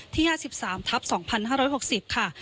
ที่๕๓ทับ๒๕๖๐ค่ะ